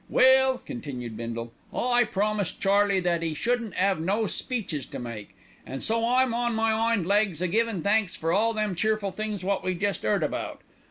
"Well!" continued Bindle, "I promised Charlie that 'e shouldn't 'ave no speeches to make, an' so I'm on my 'ind legs a givin' thanks for all them cheerful things wot we jest 'eard about.